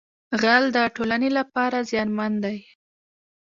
غل د ټولنې لپاره زیانمن دی